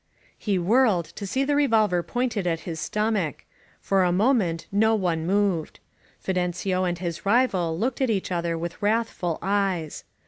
He whirled, to see the revolver pointed at his stom ach. For a moment no one moved. Fidencio and his rival looked at each other with wrathful eyes.